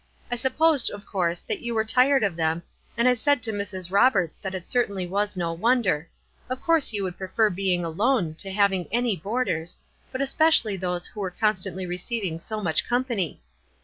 I supposed of course that you were tired of them, and I said to Mrs. Roberts that it certainly was no w 7 oncler ; of course you would prefer being alone to having any boarders, but especially those who were constantly receiving so much company.